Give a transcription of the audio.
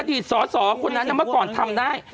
ดีตสอสอคนนั้นเมื่อก่อนทำได้